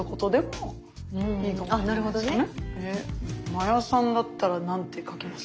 真矢さんだったら何て書きます？